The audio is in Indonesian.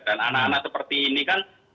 dan anak anak seperti ini kan